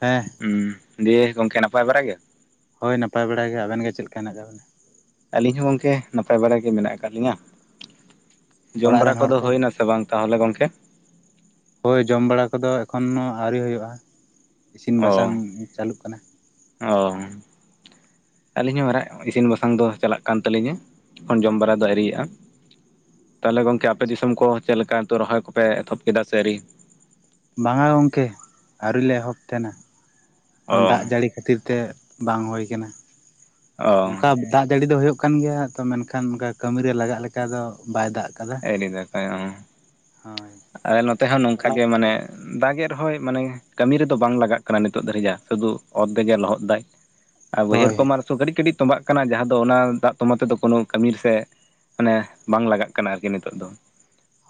ᱦᱮᱸ ᱦᱩᱸ ᱫᱤᱭᱮ ᱜᱚᱝᱠᱮ ᱱᱟᱯᱟᱭ ᱵᱟᱲᱟ ᱜᱮ ᱦᱳᱭ ᱱᱟᱯᱟᱭ ᱵᱟᱲᱟ ᱜᱮ ᱟᱵᱮᱱ ᱜᱮ ᱪᱮᱫ ᱞᱮᱠᱟ ᱦᱮᱱᱟᱜ ᱠᱟᱫ ᱵᱮᱱᱟ ᱟᱹᱞᱤᱧ ᱦᱚᱸ ᱜᱚᱝᱠᱮ ᱱᱟᱯᱟᱭ ᱵᱟᱲᱟ ᱜᱮ ᱢᱮᱱᱟᱜ ᱟᱠᱟᱫ ᱞᱤᱧᱟᱹ, ᱡᱚᱢ ᱚᱲᱟᱜ ᱨᱮᱱ ᱵᱟᱲᱟ ᱦᱚᱲ ᱠᱚᱫᱚ ᱠᱚ? ᱦᱩᱭᱱᱟ ᱥᱮ ᱵᱟᱝ ᱛᱟᱦᱞᱮ ᱜᱚᱝᱠᱮ ᱦᱳᱭ ᱡᱚᱢ ᱵᱟᱲᱟ ᱠᱚᱫᱚ ᱮᱠᱷᱚᱱᱳ ᱟᱹᱣᱨᱤ ᱦᱩᱭᱩᱜ-ᱟ ᱤᱥᱤᱱ ᱵᱟᱥᱟᱝ ᱚ ᱪᱟᱹᱞᱩᱜ ᱠᱟᱱᱟ ᱚ ᱟᱹᱞᱤᱧ ᱦᱚᱸ ᱢᱟᱨᱟᱜ ᱤᱥᱤᱱ ᱵᱟᱥᱟᱝ ᱫᱚ ᱪᱟᱞᱟᱜ ᱠᱟᱱ ᱛᱟᱹᱞᱤᱧᱟ, ᱮᱠᱷᱚᱱ ᱡᱚᱢ ᱵᱟᱲᱟ ᱫᱚ ᱟᱹᱨᱤᱭᱟᱜ-ᱟ ᱛᱟᱞᱦᱮ ᱜᱚᱝᱠᱮ ᱟᱯᱮ ᱟᱪᱪᱷᱟ ᱫᱤᱥᱚᱢ ᱠᱚ ᱪᱮᱫᱞᱮᱠᱟ ᱱᱤᱛᱳᱜ ᱨᱚᱦᱚᱭ ᱠᱚᱯᱮ ᱮᱛᱚᱦᱚᱵ ᱠᱮᱫᱟ ᱥᱮ ᱟᱹᱣᱨᱤ ᱵᱟᱝᱟ ᱜᱚᱢᱠᱮ ᱟᱹᱣᱨᱤ ᱞᱮ ᱮᱦᱚᱵ ᱛᱟᱦᱮᱱᱟ ᱚ ᱮᱠᱷᱚᱱ ᱫᱟᱜ ᱡᱟᱹᱲᱤ ᱠᱷᱟᱹᱛᱤᱨ ᱛᱮ ᱵᱟᱝ ᱦᱩᱭ ᱠᱟᱱᱟ ᱚ ᱚᱱᱠᱟ ᱫᱟᱜ ᱡᱟᱹᱲᱤ ᱫᱚ ᱦᱩᱭᱩᱜ ᱠᱟᱱ ᱜᱮᱭᱟ ᱛᱚ ᱢᱮᱱᱠᱷᱟᱱ ᱚᱱᱠᱟ ᱠᱟᱹᱢᱤ ᱨᱮ ᱞᱟᱜᱟᱜ ᱞᱮᱠᱟ ᱫᱚ ᱵᱟᱭ ᱫᱟᱜ ᱠᱟᱫᱟ [unintelligible] ᱦᱳᱭ ᱟᱨ ᱱᱚᱛᱮ ᱦᱚᱸ ᱱᱚᱝᱠᱟ ᱛᱚᱞᱟ ᱜᱮ ᱢᱟᱱᱮ ᱫᱟᱜᱮᱫ ᱨᱮᱦᱚᱸᱭ ᱢᱟᱱᱮ ᱠᱟᱹᱢᱤ ᱨᱮᱫᱚ ᱵᱟᱝ ᱞᱟᱜᱟᱜ ᱠᱟᱱᱟ ᱱᱤᱛᱚᱜ ᱫᱷᱟᱹᱨᱤᱡᱟᱜ ᱥᱩᱫᱷᱩ ᱚᱛ ᱛᱮᱜᱮ ᱞᱚᱦᱚᱫ ᱫᱟᱭ ᱟᱨ ᱵᱟᱹᱭᱦᱟᱹᱲ ᱦᱳᱭ ᱠᱚᱢᱟ ᱛᱚ ᱠᱟᱹᱴᱤᱡ ᱠᱟᱹᱴᱤᱡ ᱛᱚᱸᱵᱟᱜ ᱠᱟᱱᱟ ᱡᱟᱦᱟᱸ ᱫᱚ ᱚᱱᱟ ᱫᱟᱜ ᱛᱟᱸᱵᱟ ᱛᱮᱫᱚ ᱠᱳᱱᱳ ᱠᱟᱹᱢᱤᱤᱨ ᱥᱮ ᱢᱟᱱᱮ ᱵᱟᱝ ᱞᱟᱜᱟᱜ ᱠᱟᱱᱟ ᱟᱨᱠᱤ ᱱᱤᱛᱚᱜ ᱫᱚ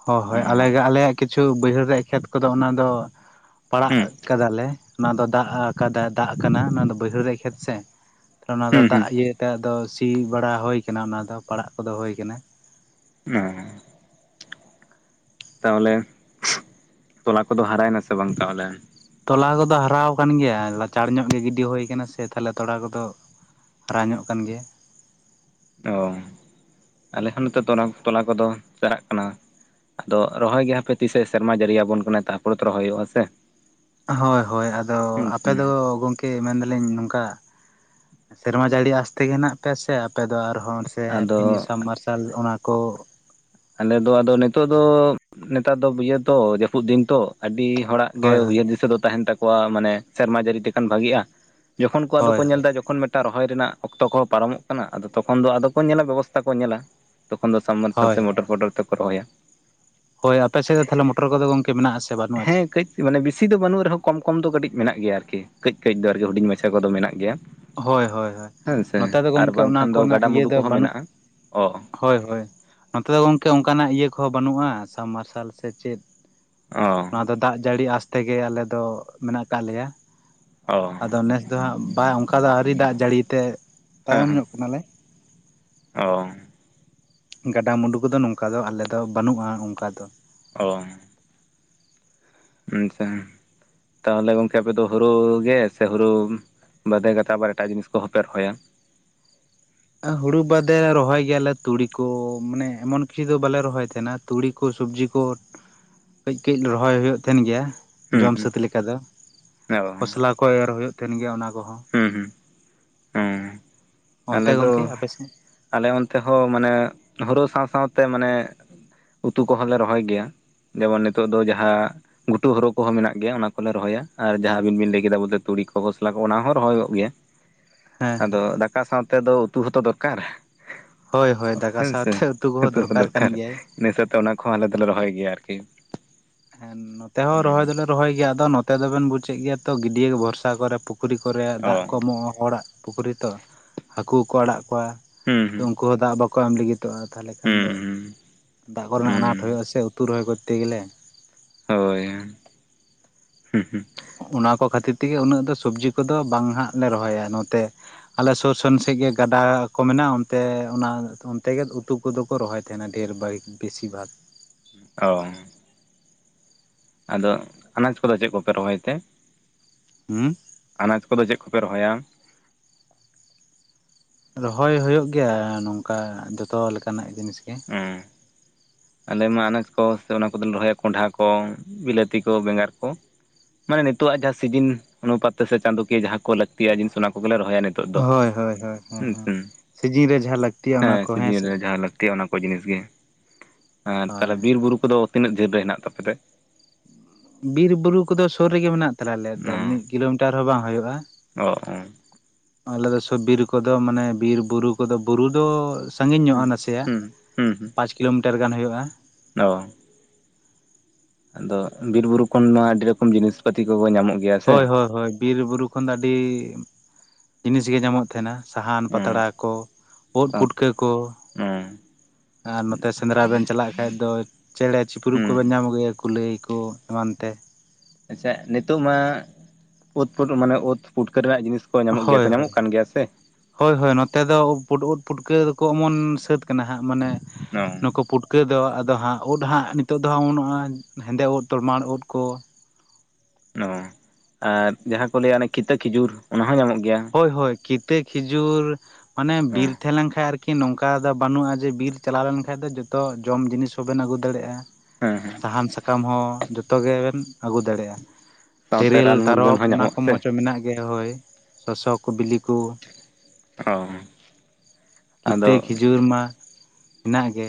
ᱦᱳ, ᱦᱳᱭ ᱟᱞᱮ ᱦᱩᱸ ᱜᱮ ᱟᱞᱮᱭᱟᱜ ᱠᱤᱪᱷᱩ ᱵᱟᱹᱭᱦᱟᱹᱲ ᱨᱮᱭᱟᱜ ᱠᱷᱮᱛ ᱠᱚᱫᱚ ᱚᱱᱟ ᱫᱚ ᱯᱟᱲᱟᱜ ᱦᱩᱸ ᱠᱟᱫᱟᱞᱮ ᱚᱱᱟ ᱫᱚ ᱫᱟᱜ ᱟᱠᱟᱫᱟ ᱫᱟᱜ ᱠᱟᱱᱟ ᱚᱱᱟ ᱫᱚ ᱵᱟᱹᱭᱦᱟᱹᱲ ᱨᱮ ᱠᱷᱮᱛ ᱥᱮ ᱛᱟᱞᱦᱮ ᱚᱱᱟ ᱫᱚ ᱦᱩᱸ ᱫᱟᱜ ᱦᱩᱸ ᱤᱭᱟᱹ ᱱᱤᱛᱚᱜ ᱫᱚ ᱥᱤ ᱵᱟᱲᱟ ᱦᱩᱭ ᱠᱟᱱᱟ ᱚᱱᱟ ᱫᱚ ᱯᱟᱲᱟᱜ ᱠᱚᱫᱚ ᱦᱩᱭ ᱠᱟᱱᱟ [unintelligible] ᱛᱟᱦᱞᱮ ᱛᱚᱞᱟ ᱠᱚᱫᱚ ᱦᱟᱨᱟᱭᱱᱟ ᱥᱮ ᱵᱟᱝ ᱛᱟᱦᱞᱮ ᱛᱚᱞᱟ ᱠᱚᱫᱚ ᱦᱟᱨᱟᱣᱟᱠᱟᱱ ᱜᱮᱭᱟ ᱞᱟᱪᱟᱲ ᱧᱚᱜ ᱜᱮ ᱜᱤᱰᱤ ᱦᱩᱭ ᱟᱠᱟᱱᱟ ᱥᱮ ᱛᱟᱦᱞᱮ ᱛᱚᱲᱟ ᱠᱚᱫᱚ ᱦᱟᱨᱟ ᱧᱚᱜ ᱠᱟᱱ ᱜᱮᱭᱟ ᱚ ᱟᱞᱮ ᱦᱚᱸ ᱱᱤᱛᱚᱜ ᱫᱚ ᱛᱚᱞᱟ ᱠᱚᱫᱚ ᱪᱟᱨᱟᱜ ᱠᱟᱱᱟ ᱟᱫᱚ ᱨᱚᱦᱚᱭ ᱜᱮ ᱦᱟᱯᱮ ᱛᱤᱥᱮ ᱥᱮᱨᱢᱟ ᱡᱟᱹᱲᱤᱭᱟᱵᱚᱱ ᱠᱟᱱᱟ ᱛᱟᱨᱯᱚᱨᱮ ᱛᱚ ᱨᱚᱦᱚᱭ ᱦᱩᱭᱩᱜ-ᱟ ᱥᱮ ᱦᱳᱭ ᱦᱳᱭ ᱟᱫᱚ ᱦᱩᱸ ᱟᱯᱮ ᱫᱚ ᱜᱚᱝ ᱠᱤ ᱢᱮᱱᱫᱟᱞᱤᱧ ᱱᱚᱝᱠᱟ ᱥᱮᱨᱢᱟ ᱡᱟᱹᱲᱤ ᱟᱥᱛᱮ ᱜᱮ ᱦᱮᱱᱟᱜ ᱯᱮᱭᱟ ᱥᱮ ᱟᱯᱮ ᱫᱚ ᱟᱨᱦᱚᱸ ᱥᱮ ᱢᱤᱱᱤ ᱟᱫᱚ ᱥᱟᱵ ᱢᱟᱨᱥᱟᱞ ᱚᱱᱟ ᱠᱚ ᱟᱞᱮ ᱫᱚ ᱟᱫᱚ ᱱᱤᱛᱚᱜ ᱫᱚ ᱱᱮᱛᱟᱨ ᱫᱚ ᱤᱭᱟᱹ ᱛᱚ ᱡᱟᱹᱯᱩᱫ ᱫᱤᱱ ᱛᱚ ᱟᱹᱰᱤ ᱦᱚᱲᱟᱜ ᱜᱮ ᱦᱳᱭ ᱦᱳᱭ ᱩᱭᱦᱟᱹᱨ ᱫᱤᱥᱟᱹ ᱫᱚ ᱛᱟᱦᱮᱱ ᱛᱟᱠᱚᱣᱟ ᱢᱟᱱᱮ ᱥᱮᱨᱢᱟ ᱡᱟᱹᱨᱤ ᱛᱮᱠᱷᱟᱱ ᱵᱷᱟᱜᱤᱜᱼᱟ ᱡᱚᱠᱷᱚᱱ ᱠᱚ ᱟᱫᱚ ᱦᱳᱭ ᱠᱚ ᱧᱮᱞ ᱮᱫᱟ ᱡᱚᱠᱷᱚᱱ ᱮᱴᱟᱜ ᱨᱚᱦᱚᱭ ᱨᱮᱱᱟᱜ ᱚᱠᱛᱚ ᱠᱚᱦᱚᱸ ᱯᱟᱨᱚᱢᱚᱜ ᱠᱟᱱᱟ ᱟᱫᱚ ᱛᱚᱠᱷᱚᱱ ᱫᱚ ᱟᱫᱚ ᱠᱚ ᱧᱮᱞᱟ ᱵᱮᱵᱚᱥᱛᱷᱟ ᱠᱚ ᱧᱮᱞᱟ ᱛᱚᱠᱷᱚᱱ ᱫᱚᱱᱥᱟᱵᱢᱟ ᱦᱳᱭ ᱥᱮ ᱦᱳᱭ ᱢᱚᱴᱚᱨ ᱯᱚᱴᱚᱨ ᱛᱮᱠᱚ ᱨᱚᱦᱚᱭᱟ ᱦᱳᱭ ᱟᱯᱮ ᱥᱮᱫ ᱫᱚ ᱛᱟᱦᱚᱞᱮ ᱢᱚᱴᱚᱨ ᱠᱚᱫᱚ ᱜᱚᱢᱠᱮ ᱢᱮᱱᱟᱜᱼᱟᱥᱮ ᱵᱟᱹᱱᱩᱜᱼᱟ ᱪᱮ ᱦᱮᱸ ᱠᱟᱹᱡ ᱢᱟᱱᱮ ᱵᱮᱥᱤ ᱫᱚ ᱵᱟᱹᱱᱩᱜ ᱨᱮᱦᱚᱸ ᱠᱚᱢ ᱠᱚᱢ ᱫᱚ ᱠᱟᱹᱴᱤᱡ ᱢᱮᱱᱟᱜ ᱜᱮᱭᱟ ᱟᱨᱠᱤ ᱠᱟᱺᱡ ᱠᱟᱺᱡ ᱫᱚ ᱟᱨᱠᱡ ᱦᱩᱰᱤᱧ ᱢᱟᱪᱷᱟ ᱠᱚᱫᱚ ᱢᱮᱱᱟᱜ ᱜᱮᱭᱟ ᱦᱳᱭ ᱦᱳᱭ ᱦᱳᱭ ᱦᱮᱸ ᱥᱮ ᱱᱚᱛᱮ ᱫᱚ ᱟᱨ ᱜᱚᱝᱠᱮ ᱚᱱᱟ ᱵᱟᱝᱠᱷᱟᱱ ᱫᱚ ᱠᱚᱨᱮᱱᱟᱜ ᱤᱭᱟᱹ ᱜᱟᱰᱟᱼᱢᱩᱰᱩ ᱫᱚ ᱠᱚᱦᱚᱸ ᱵᱟᱹᱱᱩᱜ ᱢᱮᱱᱟᱜᱼᱟ ᱚ ᱦᱳᱭ ᱦᱳᱭ ᱱᱚᱛᱮ ᱫᱚ ᱜᱚᱝᱠᱮ ᱚᱱᱠᱟᱱᱟᱜ ᱤᱭᱟᱹ ᱠᱚᱦᱚᱸ ᱵᱟᱹᱱᱩᱜᱼᱟ ᱥᱟᱵᱽ ᱢᱟᱨᱥᱟᱞ ᱥᱮ ᱪᱮᱫ ᱚ ᱱᱚᱣᱟ ᱫᱚ ᱫᱟᱜ ᱡᱟᱹᱲᱤ ᱟᱥᱛᱮ ᱜᱮ ᱟᱞᱮ ᱫᱚ ᱢᱮᱱᱟᱜ ᱠᱫ ᱞᱮᱭᱟ ᱚ ᱟᱫᱚ ᱱᱮᱥ ᱫᱚ ᱦᱟᱸᱜ ᱵᱟᱭ ᱚᱱᱠᱟ ᱫᱚ ᱟᱹᱣᱨᱤ ᱫᱟᱜ ᱡᱟᱹᱲᱤ ᱛᱮ ᱦᱮᱸ ᱛᱟᱭᱚᱢ ᱦᱮᱸ ᱧᱚᱜ ᱠᱟᱱᱟᱞᱮ ᱚ ᱜᱟᱰᱟ ᱢᱩᱰᱩ ᱠᱚᱫᱚ ᱱᱚᱝᱠᱟ ᱫᱚ ᱟᱞᱮ ᱫᱚ ᱵᱟᱹᱱᱩᱜᱼᱟ ᱚᱱᱠᱟ ᱫᱚ ᱚ ᱟᱪᱪᱷᱟ ᱛᱟᱦᱞᱮ ᱜᱚᱝᱠᱮ ᱟᱯᱮᱫᱚ ᱦᱩᱲᱩ ᱜᱮ ᱥᱮ ᱦᱩᱲᱩ ᱵᱟᱫᱮ ᱠᱟᱛᱮ ᱟᱵᱟᱨ ᱮᱴᱟᱜ ᱡᱤᱱᱤᱥ ᱠᱚ ᱦᱚᱯᱮ ᱨᱚᱦᱚᱭᱟ ᱦᱩᱲᱩ ᱵᱟᱫᱮ ᱨᱚᱦᱚᱭ ᱜᱮᱭᱟᱞᱮ ᱛᱩᱲᱤ ᱠᱚ ᱢᱟᱱᱮ ᱮᱢᱚᱱ ᱠᱤᱪᱷᱩ ᱫᱚ ᱵᱟᱞᱮ ᱨᱚᱦᱚᱭ ᱛᱟᱦᱮᱱᱟ ᱛᱩᱲᱤ ᱠᱚ ᱥᱚᱵᱡᱤ ᱠᱚ ᱠᱟᱺᱡ ᱠᱟᱺᱡ ᱨᱚᱦᱚᱭ ᱦᱩᱭᱩᱜ ᱛᱟᱦᱮᱱ ᱜᱮᱭᱟ ᱦᱩᱸ ᱡᱚᱢ ᱦᱩᱸ ᱥᱟᱹᱛ ᱞᱮᱠᱟ ᱫᱚ ᱚ ᱠᱷᱚᱥᱞᱟ ᱠᱚ ᱮᱨ ᱦᱩᱭᱩᱜ ᱛᱟᱦᱮᱱ ᱜᱮᱭᱟ ᱚᱱᱟ ᱠᱚᱦᱚᱸ ᱦᱩᱸ ᱦᱩᱸ ᱦᱮᱸ ᱟᱞᱮ ᱚᱱᱛᱮ ᱫᱚ ᱜᱚᱝᱠᱮ ᱟᱯᱮ ᱥᱮᱫ ᱟᱞᱮ ᱚᱱᱛᱮ ᱦᱚᱸ ᱢᱟᱱᱮ ᱦᱩᱲᱩ ᱥᱟᱶ ᱥᱟᱶᱛᱮ ᱢᱟᱱᱮ ᱩᱛᱩ ᱠᱚᱦᱚᱸ ᱞᱮ ᱨᱚᱦᱚᱭ ᱜᱮᱭᱟ ᱡᱮᱢᱚᱱ ᱱᱤᱛᱚᱜ ᱫᱚ ᱡᱟᱦᱟᱸ ᱜᱷᱩᱴᱩ ᱦᱳᱲᱩ ᱠᱚᱦᱚᱸ ᱢᱮᱱᱟᱜ ᱜᱮᱭᱟ᱾ ᱚᱱᱟ ᱠᱚᱞᱮ ᱨᱚᱦᱚᱭᱟ ᱟᱨ ᱡᱟᱦᱟᱸ ᱟᱵᱤᱱ ᱵᱤᱱ ᱞᱟᱹᱭ ᱠᱮᱫᱟ ᱵᱚᱞ ᱛᱩᱲᱤ ᱠᱚ ᱠᱷᱚᱥᱞᱟ ᱠᱚ ᱚᱱᱟ ᱦᱚᱸ ᱨᱚᱦᱚᱭᱚᱜ ᱜᱮᱭᱟ᱾ ᱦᱮᱸ ᱟᱫᱚ ᱫᱟᱠᱟ ᱥᱟᱶᱛᱮ ᱫᱚ ᱩᱛᱩ ᱦᱚᱸᱛᱚ ᱫᱚᱨᱠᱟᱨ ᱦᱳᱭ ᱦᱳᱭ ᱫᱟᱠᱟ ᱦᱮᱸ ᱥᱮ ᱥᱟᱶᱛᱮ ᱠᱚᱦᱚᱸ ᱩᱛᱩ ᱦᱚ ᱠᱟᱱ ᱫᱚᱨᱠᱟᱨ ᱜᱮᱭᱟᱭ ᱱᱤᱭᱟᱹᱥᱟᱣ ᱛᱮ ᱚᱱᱟ ᱠᱚᱦᱚᱸ ᱟᱞᱮ ᱫᱚᱞᱮ ᱨᱚᱦᱚᱭ ᱜᱮᱭᱟ ᱟᱨᱠᱤ ᱦᱮᱸ ᱱᱚᱛᱮ ᱦᱚᱸ ᱨᱚᱦᱚᱭ ᱦᱩᱸ ᱫᱚᱞᱮ ᱨᱚᱦᱚᱭ ᱜᱮᱭᱟ ᱟᱫᱚ ᱱᱚᱛᱮ ᱫᱚᱵᱮᱱ ᱵᱩᱡᱮᱫ ᱜᱮᱭᱟ ᱛᱚ ᱜᱤᱰᱭᱟᱹ ᱵᱷᱚᱨᱥᱟ ᱠᱚᱨᱮ ᱯᱩ ᱯᱩᱠᱷᱨᱤ ᱠᱚᱨᱮ ᱫᱟᱜ ᱚ ᱠᱚ ᱮᱢᱚᱜᱼᱟ᱾ ᱦᱚᱲᱟᱜ ᱯᱩᱠᱷᱨᱤ ᱛᱚ ᱦᱟᱹᱠᱩᱠᱚ ᱟᱲᱟᱜ ᱠᱚᱣᱟ᱾ ᱦᱮᱸ ᱛᱚ ᱦᱮᱸ ᱩᱱᱠᱩ ᱦᱚᱸ ᱫᱟᱜ ᱵᱟᱠᱚ ᱮᱢ ᱞᱟᱹᱜᱤᱫᱚᱜᱼᱟ᱾ ᱛᱟᱦᱚᱞᱮ ᱠᱷᱟᱱ ᱫᱚ ᱦᱩᱸ ᱫᱟᱜ ᱠᱚᱨᱮᱱᱟᱜ ᱟᱱᱟᱴ ᱦᱩᱸ ᱦᱩᱭᱩᱜᱼᱟ, ᱥᱮ ᱩᱛᱩ ᱨᱚᱦᱚᱭ ᱠᱚᱨᱛᱮ ᱜᱮᱞᱮ ᱦᱳᱭ ᱦᱮᱸᱦᱮᱸ ᱚᱱᱟ ᱠᱚ ᱠᱷᱟᱹᱛᱤᱨ ᱛᱮᱜᱮ ᱩᱱᱟᱹᱜ ᱫᱚ ᱥᱚᱵᱡᱤ ᱠᱚᱫᱚ ᱵᱟᱝ ᱦᱟᱸᱟᱜ ᱞᱮ ᱨᱚᱦᱚᱭᱟ ᱱᱚᱛᱮ ᱟᱞᱮ ᱥᱩᱨ ᱥᱩᱨ ᱥᱮᱫ ᱜᱮ ᱜᱟᱰᱟ ᱠᱚ ᱢᱮᱱᱟᱜᱼᱟ᱾ ᱚᱱᱛᱮ ᱚᱱᱟ ᱚᱱᱛᱮᱜ ᱩᱛᱩ ᱩᱱᱠᱩ ᱫᱚᱠᱚ ᱨᱚᱦᱚᱭ ᱛᱟᱦᱮᱱᱟ ᱰᱷᱮᱨ ᱵᱟᱭᱤᱠ ᱵᱮᱥᱤᱨ ᱵᱷᱟᱜᱽ ᱚ ᱟᱫᱚ ᱟᱱᱟᱡ ᱠᱚᱫᱚ ᱪᱮᱫ ᱠᱚᱯᱮ ᱨᱚᱦᱚᱭ ᱛᱮ ᱦᱩᱸ ᱟᱱᱟᱡᱽ ᱠᱚᱫᱚ ᱪᱮᱫ ᱠᱚᱯᱮ ᱨᱚᱦᱚᱭᱟ ᱨᱚᱦᱚᱭ ᱦᱩᱭᱩᱜ ᱜᱮᱭᱟ ᱱᱚᱝᱠᱟ ᱡᱚᱛᱚ ᱞᱮᱠᱟᱱᱟᱜ ᱡᱤᱱᱤᱥ ᱜᱮ ᱦᱮᱸ ᱟᱞᱮ ᱢᱟ ᱟᱱᱟᱡᱽ ᱠᱚ ᱥᱮ ᱚᱱᱟ ᱠᱚᱫᱚᱞᱮ ᱨᱚᱦᱚᱭᱟ ᱠᱚᱸᱰᱷᱟ ᱠᱚ ᱵᱤᱞᱟᱹᱛᱤ ᱠᱚ ᱵᱮᱸᱜᱟᱲ ᱠᱚ ᱢᱟᱱᱮ ᱱᱤᱛᱳᱜ ᱡᱟᱦᱟᱸ ᱥᱤᱡᱤᱱ ᱚᱱᱩᱯᱟ ᱛᱮ ᱥᱮ ᱪᱟᱸᱫᱳᱠᱤᱭᱟᱹ ᱡᱟᱦᱟᱸ ᱠᱚ ᱞᱟᱹᱠᱛᱤᱭᱟ ᱡᱤᱱᱤᱥ ᱚᱱᱟ ᱠᱚᱜᱮᱞᱮ ᱨᱚᱦᱚᱭᱟ ᱱᱤᱛᱚᱜ ᱫᱚ ᱦᱳᱭ ᱦᱳᱭ ᱦᱳᱭ ᱦᱮᱸ ᱥᱤᱡᱤᱱ ᱨᱮ ᱡᱟᱦᱟᱸ ᱞᱟᱹᱠᱛᱤᱜᱤᱭᱟ ᱚᱱᱟ ᱠᱚ ᱥᱤᱡᱤᱱ ᱦᱮᱸᱥᱮ ᱨᱮ ᱡᱟᱦᱟᱸ ᱞᱟᱹᱠᱛᱤᱜᱼᱟ ᱚᱱᱟ ᱠᱚ ᱡᱤᱱᱤᱥ ᱜᱮ ᱟᱨ ᱛᱟᱦᱚᱞᱮ ᱦᱳᱭ ᱵᱤᱨ-ᱵᱩᱨᱩ ᱠᱚᱫᱚ ᱛᱤᱱᱟᱹᱜ ᱡᱷᱟᱹᱞ ᱨᱮ ᱦᱮᱱᱟᱜ ᱛᱟᱯᱮᱛᱮ ᱵᱤᱨ-ᱵᱩᱨᱩ ᱠᱚᱫᱚ ᱥᱩᱨ ᱨᱮᱜᱮ ᱢᱮᱱᱟᱜ ᱛᱟᱞᱮ ᱟᱞᱮ ᱫᱚ ᱢᱤᱫ ᱠᱤᱞᱳᱢᱤᱴᱟᱨ ᱦᱚᱸ ᱵᱟᱝ ᱦᱩᱭᱩᱜᱼᱟ᱾ [inaudible] ᱟᱞᱮ ᱫᱚ ᱵᱤᱨ ᱠᱚᱫᱚ ᱢᱟᱱᱮ ᱵᱤᱨ ᱵᱩᱨᱩ ᱠᱚᱫᱚ ᱵᱩᱨᱩ ᱫᱚ ᱥᱟᱺᱜᱤᱧ ᱧᱚᱜᱼᱟ ᱦᱩᱸ ᱱᱟᱥᱮᱭᱟᱜ, ᱦᱩᱸ ᱦᱩᱸ ᱦᱩᱸ ᱯᱟᱸᱪ ᱠᱤᱞᱳᱢᱤᱴᱟᱨ ᱜᱟᱱ ᱦᱩᱭᱩᱜᱼᱟ᱾ ᱚ ᱟᱫᱚ ᱵᱤᱨ ᱵᱩᱨᱩ ᱠᱷᱚᱱ ᱢᱟ ᱟᱹᱰᱤ ᱨᱚᱠᱚᱢ ᱡᱤᱱᱤᱥ ᱯᱟᱛᱤ ᱠᱚ ᱧᱟᱢᱚᱜ ᱜᱮᱭᱟ᱾ ᱥᱮ ᱦᱳᱭ ᱦᱳᱭ ᱦᱳᱭ ᱵᱤᱨ- ᱵᱩᱨᱩ ᱠᱷᱚᱱ ᱫᱚ ᱟᱹᱰᱤ ᱡᱤᱱᱤᱥ ᱜᱮ ᱧᱟᱢᱚᱜ ᱛᱟᱦᱮᱱᱟ᱾ ᱥᱟᱦᱟᱱ ᱯᱟᱛᱲᱟ ᱦᱮᱸ ᱠᱚ, ᱥᱟᱶ ᱯᱩᱴᱠᱟᱹ ᱠᱚᱺ ᱦᱩᱸ ᱟᱨ ᱱᱚᱛᱮ ᱥᱮᱸᱫᱽᱨᱟ ᱵᱮᱱ ᱪᱟᱞᱟᱜ ᱠᱷᱟᱡ ᱫᱚ ᱪᱮᱬᱮ-ᱪᱤᱯᱨᱩᱫ ᱠᱚᱵᱮᱱ ᱦᱩᱸ ᱧᱟᱢ ᱟᱹᱜᱩᱭᱟ, ᱠᱩᱞᱟᱹᱭ ᱠᱚ ᱮᱢᱟᱱ ᱛᱮ ᱟᱪᱪᱷᱟ ᱱᱤᱛᱚᱜ ᱢᱟ ᱚᱛ ᱯᱩ ᱢᱟᱱᱮ ᱚᱛ ᱯᱩᱴᱠᱟᱹ ᱨᱮᱱᱟᱜ ᱡᱤᱱᱤᱥ ᱠᱚ ᱧᱟᱢᱚᱜ ᱜᱮᱭᱟ ᱦᱳᱭ ᱦᱳᱭ ᱠᱚ ᱧᱟᱢᱚᱜ ᱠᱟᱱ ᱜᱮᱭᱟ ᱥᱮ ᱦᱳᱭ ᱦᱳᱭ ᱱᱚᱛᱮ ᱫᱚ ᱯᱩ ᱩᱫ ᱯᱩᱴᱠᱟᱹ ᱫᱚᱠᱚ ᱚᱢᱚᱱ ᱥᱟᱹᱛ ᱠᱟᱱᱟ ᱦᱟᱸᱜ ᱢᱟᱱᱮ ᱚ ᱱᱩᱠᱩ ᱯᱩᱴᱠᱟᱹ ᱴᱩᱣᱠᱟᱹ ᱫᱚ ᱟᱫᱚ ᱦᱟᱸᱜ ᱩᱫ ᱦᱟᱸᱜ ᱱᱤᱛᱚᱜ ᱫᱚ ᱦᱟᱸᱜ ᱵᱟᱹᱱᱩᱜᱼᱟ ᱦᱮᱸᱫᱮ ᱩᱫ ᱛᱚᱞᱢᱟᱟ ᱩᱫ ᱠᱚ ᱚᱸ ᱟᱨ ᱡᱟᱦᱟᱸ ᱠᱚ ᱞᱟᱹᱭᱟ ᱚᱱᱟ ᱠᱤᱛᱟᱹ ᱠᱷᱤᱡᱩᱨ ᱚᱱᱟ ᱦᱚᱸ ᱧᱟᱢᱚᱜ ᱜᱮᱭᱟ ᱦᱳᱭ ᱦᱳᱭ ᱠᱤᱛᱟᱹ ᱠᱷᱤᱡᱩᱨ ᱢᱟᱱᱮ ᱚ ᱵᱤᱨ ᱛᱟᱦᱮᱸ ᱞᱮᱱ ᱠᱷᱟᱡ ᱟᱨᱠᱤ ᱟᱨ ᱠᱤ ᱱᱚᱝᱠᱟ ᱫᱚ ᱵᱟᱹᱱᱩᱜᱼᱟ ᱡᱮ ᱵᱤᱨ ᱪᱟᱞᱟᱣ ᱞᱮᱱᱠᱷᱟᱱ ᱫᱚ ᱡᱚᱛᱚ ᱡᱚᱢ ᱡᱤᱱᱤᱥ ᱦᱚᱸᱵᱮᱱ ᱟᱹᱜᱩ ᱫᱟᱲᱮᱭᱟᱜᱼᱟ᱾ ᱦᱮᱸ ᱦᱮᱸ ᱥᱟᱦᱟᱱ ᱥᱟᱠᱟᱢ ᱦᱚᱸ ᱡᱚᱛᱚ ᱜᱮᱵᱚᱢ ᱟᱹᱜᱩ ᱫᱟᱲᱮᱭᱟᱜᱼᱟ᱾ ᱥᱟᱶᱛᱮ ᱛᱮᱨᱮᱞ, ᱨᱟᱱ ᱢᱩᱨᱜᱟᱹᱱ ᱛᱟᱨᱚᱵ ᱦᱚᱸ ᱚᱱᱟ ᱠᱚ ᱧᱟᱢᱚᱜᱼᱟ ᱥᱮ ᱢᱚᱸᱡᱽ ᱦᱚᱸ ᱢᱮᱱᱟᱜ ᱜᱮᱭᱟ ᱦᱳᱭ ᱥᱚᱥᱚ ᱠᱚ, ᱵᱤᱞᱤ ᱠᱚ ᱚ ᱠᱤᱛᱟᱹ ᱟᱫᱚ ᱠᱷᱤᱡᱩᱨ ᱢᱟ ᱦᱮᱱᱟᱜ ᱜᱮ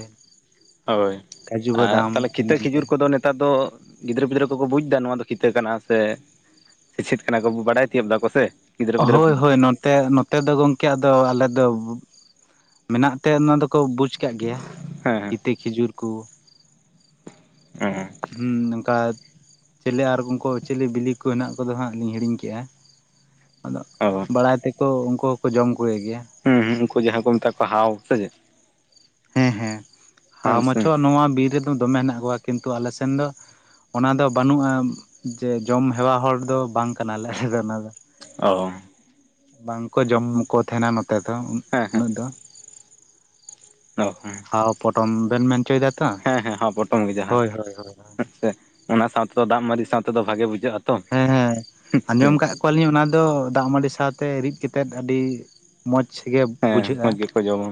ᱦᱳᱭ ᱠᱟᱡᱩ ᱟᱨ ᱵᱟᱫᱟᱢ ᱛᱟᱦᱚᱞᱮ ᱠᱷᱤᱛᱟᱹ ᱮᱢᱟᱱ ᱛᱮ ᱠᱷᱤᱡᱩᱨ ᱠᱚᱫᱚ ᱱᱮᱛᱟᱨ ᱫᱚ ᱜᱤᱫᱽᱨᱟᱹ ᱯᱤᱫᱽᱨᱟᱹ ᱠᱚᱠᱚ ᱵᱩᱡᱽ ᱫᱟ ᱱᱚᱣᱟ ᱫᱚ ᱠᱤᱛᱟᱹ ᱠᱟᱱᱟ ᱥᱮ ᱪᱷᱤᱛ ᱠᱟᱱᱟ ᱠᱚ ᱵᱟᱲᱟᱭ ᱛᱤᱭᱳᱜ ᱫᱫᱟ ᱠᱚ ᱥᱮ ᱜᱤᱫᱽᱨᱟᱹ ᱯᱤᱫᱽᱨᱟᱹ ᱠᱚ ᱦᱳᱭ ᱦᱳᱭ ᱱᱚᱛᱮ ᱱᱚ ᱱᱚᱛᱮ ᱫᱚ ᱜᱚᱢᱠᱮ ᱟᱫᱚ ᱟᱞᱮ ᱫᱚ ᱢᱮᱱᱟᱜ ᱛᱮ ᱚᱱᱟ ᱫᱚᱠᱚ ᱵᱩᱡᱽ ᱪᱤᱠᱟᱜ ᱜᱮᱭᱟ ᱦᱮᱸ ᱠᱤᱛᱟᱹ ᱠᱷᱤᱡᱩᱨ ᱠᱚ ᱦᱮᱸ ᱦᱩᱸ ᱚᱱᱠᱟ ᱪᱮᱞᱮ ᱟᱨ [unintelligible] ᱪᱤᱞᱤ ᱵᱤᱞᱤ ᱠᱚ ᱦᱮᱱᱟᱜ ᱠᱚᱫᱚ ᱦᱟᱸᱜ ᱞᱤᱧ ᱦᱤᱲᱤᱧ ᱠᱮᱜᱼᱟ ᱟᱫᱚ [unintelligible] ᱵᱟᱲᱟᱭ ᱛᱮᱠᱚ ᱩᱱᱠᱩ ᱦᱚᱸᱠᱚ ᱡᱚᱢ ᱠᱚᱭᱮᱜ ᱜᱮᱭᱟ ᱦᱩᱸ ᱦᱩᱸ ᱩᱱᱠᱩ ᱡᱟᱦᱟᱸ ᱠᱚ ᱢᱮᱛᱟᱜ ᱠᱚᱣᱟ ᱦᱟᱣ ᱥᱮ ᱪᱮᱫ ᱦᱮᱸ ᱦᱮᱸ ᱦᱟᱣ ᱦᱮᱸ ᱥᱮ ᱢᱟᱪᱷᱚ ᱱᱚᱣᱟ ᱵᱤᱨ ᱨᱮᱫᱚ ᱫᱚᱢᱮ ᱦᱮᱱᱟᱜ ᱠᱚᱣᱟ ᱠᱤᱱᱛᱩ ᱟᱞᱮ ᱥᱮᱱ ᱫᱚ ᱚᱱᱟ ᱫᱚ ᱵᱟᱹᱱᱩᱜᱼᱟ ᱡᱮ ᱡᱚᱢ ᱦᱮᱣᱟ ᱦᱚᱲ ᱫᱚ ᱵᱟᱝ ᱠᱟᱱᱟᱞᱮ ᱟᱞᱮ ᱫᱚ ᱚᱱᱟ ᱫᱚ ᱚ ᱵᱟᱝᱠᱚ ᱡᱚᱢᱠᱚ ᱛᱟᱸᱦᱮᱱᱟ ᱱᱚᱛᱮ ᱫᱚ ᱦᱮᱸ ᱦᱮᱸ ᱩᱱᱟᱹᱜ ᱫᱚ ᱚ ᱦᱟᱣ ᱯᱚᱴᱚᱢ ᱵᱮᱱ ᱢᱮᱱ ᱚᱪᱚᱭ ᱫᱟ ᱛᱚ ᱦᱮᱸ ᱦᱮᱸ ᱦᱚᱸ ᱯᱚᱴᱚᱢ ᱜᱮ ᱡᱟᱦᱟᱸ ᱦᱳᱭ ᱦᱳᱭ ᱦᱳᱭ ᱚᱱᱟ ᱥᱟᱶ ᱛᱮᱫᱚ ᱫᱟᱜ ᱢᱟᱹᱰᱤ ᱥᱟᱶ ᱛᱮᱫᱚ ᱵᱷᱟᱜᱮ ᱵᱩᱡᱷᱟᱹᱜ-ᱟ ᱦᱮᱸ ᱦᱮᱸ ᱟᱸᱡᱚᱢ ᱠᱟᱜ ᱠᱚᱣᱟᱞᱤᱧ ᱚᱱᱟ ᱫᱚ ᱫᱟᱜ ᱢᱟᱹᱰᱤ ᱥᱟᱶᱛᱮ ᱨᱤᱫ ᱠᱟᱛᱮ ᱟᱹᱰᱤ ᱢᱚᱸᱡᱽ ᱜᱮ ᱦᱮᱸ ᱵᱩᱡᱷᱟᱹᱜ-ᱟ ᱢᱚᱡᱽ ᱜᱮᱠᱚ ᱡᱚᱢᱟ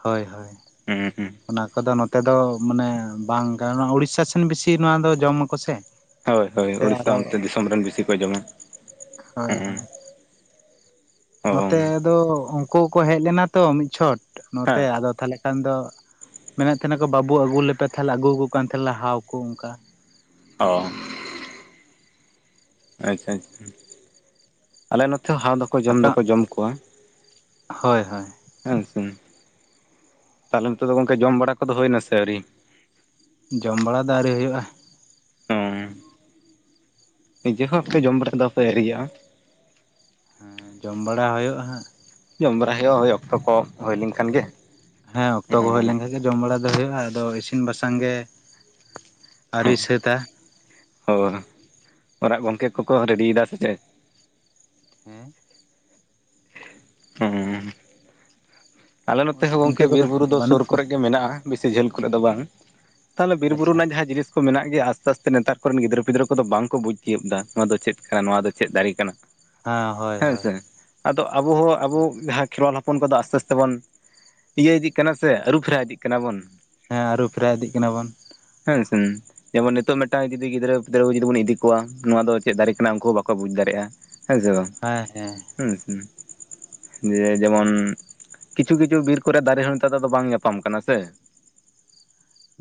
ᱦᱳᱭ ᱦᱳᱭ ᱦᱩᱸ ᱦᱩᱸ ᱚᱱᱟ ᱠᱚᱫᱚ ᱱᱚᱛᱮ ᱫᱚ ᱢᱟᱱᱮ ᱵᱟᱝ ᱠᱟᱱᱟ ᱩᱲᱤᱥᱥᱟ ᱥᱮᱱ ᱵᱮᱥᱤ ᱱᱚᱣᱟ ᱫᱚ ᱡᱚᱢᱟᱠᱚ ᱥᱮ ᱦᱳᱭ ᱦᱳᱭ ᱥᱮ ᱳᱲᱤᱥᱥᱟ ᱟᱨᱚ ᱚᱱᱛᱮ ᱫᱤᱥᱚᱢ ᱨᱮᱱ ᱵᱤᱥᱤ ᱠᱚ ᱡᱚᱢᱟ ᱦᱳᱭ ᱦᱮᱸ ᱦᱳᱭ ᱚ ᱱᱚᱛᱮ ᱦᱮᱸ ᱫᱚ ᱩᱱᱠᱩ ᱠᱚ ᱦᱮᱡ ᱞᱮᱱᱟ ᱛᱚ ᱢᱤᱫ ᱪᱷᱚᱴ ᱱᱚᱛᱮ ᱟᱫᱚ ᱛᱟᱦᱞᱮ ᱠᱷᱟᱱ ᱫᱚ ᱢᱮᱱᱮᱫ ᱛᱟᱸᱦᱮᱱᱟᱠᱚ ᱵᱟᱹᱵᱩ ᱟᱹᱜᱩ ᱞᱮᱯᱮ ᱛᱟᱦᱚᱞᱮ ᱟᱹᱜᱩᱣᱟᱠᱚ ᱠᱟᱱ ᱛᱟᱸᱦᱮᱱᱞᱮ ᱦᱟᱣ ᱠᱚ ᱚᱱᱠᱟ ᱚ ᱟᱪᱪᱷᱟ ᱟᱪᱪᱷᱟ ᱟᱞᱮ ᱱᱚᱛᱮ ᱦᱟᱣ ᱫᱚ ᱠᱚ ᱡᱚᱢ ᱟᱯᱮ ᱫᱚᱠᱚ ᱡᱚᱢ ᱠᱚᱣᱟ ᱦᱳᱭ ᱦᱳᱭ ᱦᱮᱸ ᱥᱮ ᱛᱟᱦᱚᱞᱮ ᱱᱤᱛᱚᱜ ᱫᱚ ᱜᱚᱝᱠᱮ ᱡᱚᱢ ᱵᱟᱲᱟ ᱠᱚᱫᱚ ᱦᱩᱭᱮᱱᱟ ᱥᱮ ᱟᱹᱣᱨᱤ ᱡᱚᱢ ᱵᱟᱲᱟ ᱫᱚ ᱟᱹᱣᱨᱤ ᱦᱩᱭᱩᱜ-ᱟ ᱝ ᱱᱤᱡᱮ ᱦᱚᱸ ᱦᱟᱯᱮ ᱡᱚᱢ [unintelligible] ᱫᱚᱯᱮ ᱟᱹᱨᱤᱭᱟᱜ-ᱟ ᱦᱮᱸ ᱡᱚᱢ ᱵᱟᱲᱟ ᱦᱳᱭᱳᱜ-ᱟ ᱦᱟᱸᱜ ᱡᱚᱢ ᱵᱟᱲᱟ ᱦᱩᱭᱩᱜ-ᱟ ᱦᱳᱭ ᱚᱠᱛᱚ ᱠᱚ ᱦᱳᱭ ᱞᱮᱱ ᱠᱷᱟᱱ ᱜᱮ ᱦᱮᱸ ᱚ ᱚᱠᱛᱚ ᱠᱚ ᱦᱩᱭ ᱞᱮᱱᱠᱷᱟᱱ ᱜᱮ ᱡᱚᱢ ᱵᱟᱲᱟ ᱫᱚ ᱦᱩᱭᱩᱜ-ᱟ ᱟᱫᱚ ᱤᱥᱤᱱ ᱵᱟᱥᱟᱝ ᱜᱮ ᱟᱹᱨᱤ ᱥᱟᱹᱛᱟ ᱦᱚ ᱚᱲᱟᱜ ᱜᱚᱝᱠᱮ ᱠᱚᱠᱚ ᱨᱮᱰᱤᱭᱮᱫᱟ ᱥᱮ ᱪᱮᱫ ᱦᱮᱸ ᱦᱩᱸ ᱟᱞᱮ ᱱᱚᱛᱮ ᱦᱚᱸ ᱜᱚᱝᱠᱮ ᱚᱱᱠᱟ ᱵᱤᱨ ᱠᱚᱫᱚ ᱵᱩᱨᱩ ᱫᱚ ᱵᱟᱹᱱᱩᱜ ᱥᱩᱨ ᱠᱚᱣᱟ ᱠᱚᱨᱮᱜ ᱜᱮ ᱢᱮᱱᱟᱜ-ᱟ ᱵᱤᱥᱤ ᱡᱷᱟᱹᱞ ᱠᱚᱨᱮᱜ ᱫᱚ ᱵᱟᱝ ᱛᱟᱦᱞᱮ ᱵᱤᱨ ᱵᱩᱨᱩ ᱟᱪᱪᱷᱟ ᱮᱱᱟᱜ ᱡᱟᱦᱟᱸ ᱡᱤᱱᱤᱥ ᱠᱚ ᱢᱮᱱᱟᱜ ᱜᱮᱭᱟ ᱟᱥᱛᱮ ᱟᱥᱛᱮ ᱱᱮᱛᱟᱨ ᱠᱚᱨᱮᱱ ᱜᱤᱫᱽᱨᱟᱹ ᱯᱤᱫᱽᱨᱟᱹ ᱠᱚᱫᱚ ᱵᱟᱝ ᱠᱚ ᱵᱩᱡᱽ ᱛᱤᱭᱳᱜ ᱫ ᱱᱚᱣᱟ ᱫᱚ ᱪᱮᱫ ᱠᱟᱱᱟ ᱱᱚᱣᱟ ᱫᱚ ᱪᱮᱫ ᱫᱟᱨᱮ ᱠᱟᱱᱟ ᱦᱮᱸ ᱦᱳᱭ ᱦᱮᱸ ᱦᱳᱭ ᱥᱮ ᱟᱫᱚ ᱟᱵᱚᱚᱸ ᱟᱵᱚ ᱡᱟᱦᱟᱸ ᱠᱷᱮᱨᱣᱟᱞ ᱦᱚᱯᱚᱱ ᱠᱚᱫᱚ ᱟᱥᱛᱮ ᱟᱥᱛᱮ ᱵᱚᱱ ᱤᱭᱟᱹ ᱤᱫᱤᱜ ᱠᱟᱱᱟ ᱥᱮ ᱟᱹᱨᱩᱯᱷᱮᱨᱟ ᱤᱫᱤᱜ ᱠᱟᱱᱟ ᱵᱚᱱ ᱦᱮᱸ ᱟᱹᱨᱩ ᱯᱷᱮᱨᱟ ᱤᱫᱤᱜ ᱠᱟᱱᱟ ᱵᱚᱱ ᱦᱮᱸ ᱥᱮᱱ ᱡᱮᱢᱚᱱ ᱱᱤᱛᱚᱜ ᱢᱤᱫᱴᱟᱝ ᱡᱩᱫᱤ ᱜᱤᱫᱽᱨᱟᱹ ᱯᱤᱫᱽᱨᱟᱹ ᱠᱚ ᱡᱩᱫᱤ ᱵᱚᱱ ᱤᱫᱤ ᱠᱚᱣᱟ ᱱᱚᱣᱟ ᱫᱚ ᱪᱮᱫ ᱫᱟᱲᱮ ᱠᱟᱱᱟ ᱩᱱᱠᱩ ᱦᱚᱸ ᱵᱟᱠᱚ ᱵᱩᱡᱽ ᱫᱟᱲᱮᱭᱟᱜ-ᱟ ᱦᱮᱸ ᱥᱮ ᱵᱟᱝ ᱦᱮᱸ ᱦᱮᱸ ᱦᱮᱸᱥᱮ ᱡᱮ ᱡᱮᱢᱚᱱ ᱠᱤᱪᱷᱩ ᱠᱤᱪᱷᱩ ᱵᱤᱨ ᱠᱚᱨᱮ ᱫᱟᱨᱮ ᱦᱚᱸ ᱱᱮᱛᱟᱨ ᱫᱚ ᱟᱫᱚ ᱵᱟᱝ ᱧᱟᱯᱟᱢ ᱠᱟᱱᱟ ᱥᱮ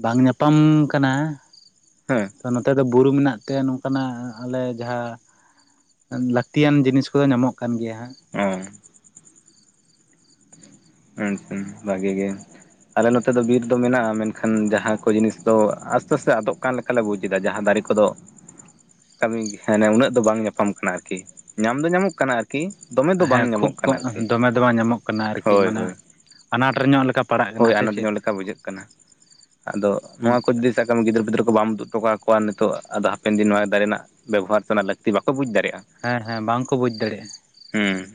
ᱵᱟᱝ ᱧᱟᱯᱟᱢ ᱠᱟᱱᱟ ᱦᱮᱸ ᱛᱚ ᱱᱚᱛᱮ ᱫᱚ ᱵᱩᱨᱩ ᱢᱮᱱᱟᱜ ᱛᱮ ᱱᱚᱝᱠᱟᱱᱟᱜ ᱟᱞᱮ ᱡᱟᱦᱟᱸ ᱞᱟᱹᱠᱛᱤᱭᱟᱱ ᱡᱤᱱᱤᱥ ᱠᱚᱫᱚ ᱧᱟᱢᱚᱜ ᱠᱟᱱ ᱜᱮᱭᱟ ᱦᱟᱸᱜ ᱚ [unintelligible] ᱵᱷᱟᱜᱤ ᱜᱮ ᱟᱞᱮ ᱱᱚᱛᱮ ᱫᱚ ᱵᱤᱨ ᱫᱚ ᱢᱮᱱᱟᱜ-ᱟ ᱢᱮᱱᱠᱷᱟᱱ ᱡᱟᱦᱟᱸ ᱠᱚ ᱡᱤᱱᱤᱥ ᱫᱚ ᱟᱥᱛᱮ ᱟᱥᱛᱮ ᱟᱫᱚᱜ ᱠᱟᱱ ᱞᱮᱠᱟᱞᱮ ᱵᱩᱡ ᱮᱫᱟ ᱡᱟᱦᱟᱸ ᱫᱟᱨᱮ ᱠᱚᱫᱚ ᱠᱟᱹᱢᱤ ᱢᱟᱱᱮ ᱩᱱᱟᱹᱜ ᱫᱚ ᱵᱟᱝ ᱧᱟᱯᱟᱢ ᱠᱟᱱᱟ ᱟᱨᱠᱤ ᱧᱟᱢ ᱫᱚ ᱧᱟᱢᱚᱜ ᱠᱟᱱᱟ ᱟᱨᱠᱤ ᱠᱤ ᱫᱚᱢᱮ ᱫᱚ ᱵᱟᱝ ᱦᱮᱸ ᱧᱟᱢᱚᱜ ᱠᱷᱩᱵ ᱠᱟᱱᱟ ᱠᱚᱢ ᱟᱨᱠᱤ ᱫᱚᱢᱮ ᱫᱚ ᱵᱟᱝ ᱧᱟᱢᱚᱜ ᱠᱟᱱᱟ ᱟᱨᱠᱤ ᱦᱳᱭ ᱦᱳᱭ ᱢᱟᱱᱮ ᱟᱱᱟᱴ ᱧᱚᱜ ᱞᱮᱠᱟ ᱯᱟᱲᱟᱜ ᱦᱳᱭ ᱠᱟᱱᱟ ᱥᱮ ᱟᱱᱟᱴ ᱪᱮᱫ ᱧᱚᱜ ᱞᱮᱠᱟ ᱵᱩᱡᱷᱟᱹᱜ ᱠᱟᱱᱟ ᱟᱫᱚ ᱱᱚᱣᱟ ᱠᱚ ᱫᱤᱥ ᱥᱟᱵᱠᱟᱢ ᱜᱤᱫᱽᱟᱹᱨ ᱯᱤᱫᱟᱹᱨ ᱠᱚ ᱵᱟᱢ ᱩᱫᱩᱜ ᱦᱚᱴᱚ ᱠᱟᱣᱟ ᱱᱤᱛᱚᱜ ᱟᱫᱚ ᱦᱟᱯᱮᱱ ᱫᱤᱱ ᱱᱚᱣᱟ ᱫᱟᱨᱮ ᱨᱮᱱᱟᱜ ᱵᱮᱵᱚᱦᱟᱨ ᱪᱚᱱᱟᱜ ᱞᱟᱹᱠᱛᱤ ᱵᱟᱠᱚ ᱵᱩᱡᱽ ᱫᱟᱲᱮᱜ ᱦᱮᱸ ᱦᱮᱸ ᱵᱟᱝᱠᱚ ᱵᱩᱡ ᱫᱟᱲᱮᱭᱟᱜ-ᱟ ᱦᱮᱸ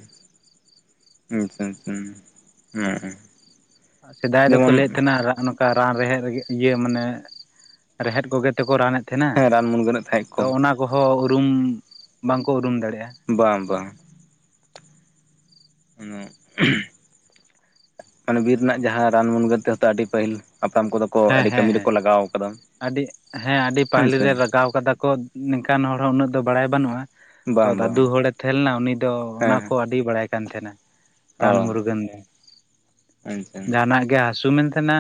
[inaudible] ᱥᱮᱫᱟᱭ ᱫᱚᱠᱚ ᱡᱮᱢᱚᱱ ᱞᱟᱹᱭᱮᱫ ᱛᱟᱦᱮᱸᱱᱟ ᱠᱟ ᱨᱟᱱ ᱨᱮᱦᱮᱫ ᱨᱮᱜᱮ ᱤᱭᱟᱹ ᱢᱟᱱᱮ ᱨᱮᱦᱮᱫ ᱠᱚᱜᱮ ᱛᱮᱠᱚ ᱨᱟᱱ ᱮᱫᱼᱼ ᱛᱟᱦᱮᱱᱟ ᱦᱮᱸ ᱨᱟᱱ ᱢᱩᱨᱜᱟᱹᱱᱮᱫ ᱛᱟᱦᱮᱸᱫ ᱠᱚ ᱛᱚ ᱚᱱᱟ ᱠᱚᱦᱚᱸ ᱩᱨᱩᱢ ᱵᱟᱝᱠᱚ ᱩᱨᱩᱢ ᱫᱟᱲᱮᱭᱟᱜᱼᱟ ᱵᱟᱝ ᱵᱟᱝ ᱩᱱᱟᱹᱜ ᱢᱟᱱᱮ ᱵᱤᱨ ᱨᱮᱱᱟᱜ ᱡᱟᱦᱟᱸ ᱨᱟᱱ ᱢᱩᱨᱱᱜᱟᱹᱱ ᱛᱮᱦᱚ ᱟᱹᱰᱤ ᱯᱟᱹᱦᱤᱞ ᱦᱟᱯᱲᱟᱢ ᱠᱚᱫᱚ ᱠᱚ ᱦᱮᱸ ᱟᱹᱰᱤ ᱦᱮᱸ ᱠᱟᱹᱢᱤ ᱨᱮᱠᱚ ᱦᱮᱸ ᱞᱟᱜᱟᱣ ᱠᱟᱫᱟ ᱟᱹᱰᱤ ᱦᱮᱸ ᱟᱹᱰᱤ ᱦᱮᱸ ᱯᱟᱹᱟᱦᱤᱞᱤ ᱥᱮ ᱨᱮ ᱞᱟᱜᱟᱣ ᱠᱟᱫᱟ ᱠᱚ ᱱᱤᱝᱠᱟᱱ ᱦᱚᱲ ᱦᱚᱸ ᱩᱱᱟᱹᱜ ᱫᱚ ᱵᱟᱲᱟᱭ ᱵᱟᱹᱱᱩᱜ-ᱟ ᱛᱚ ᱵᱟᱝ ᱵᱟᱝ ᱫᱟᱫᱩ ᱦᱚᱲᱮ ᱛᱟᱦᱮᱸ ᱞᱮᱱᱟ ᱩᱱᱤ ᱫᱚ ᱚᱱᱟ ᱦᱮᱸ ᱠᱚ ᱟᱹᱰᱤ ᱟᱹᱰᱤ ᱵᱟᱲᱟᱭ ᱠᱟᱱ ᱛᱟᱦᱮᱱᱟ ᱚ ᱨᱟᱱ ᱢᱩᱨᱜᱟᱹᱱ ᱜᱮ ᱟᱪᱪᱷᱟ ᱡᱟᱦᱟᱱᱟᱜ ᱜᱮ ᱦᱟᱹᱥᱩ ᱢᱮᱱ ᱛᱟᱦᱮᱱᱟ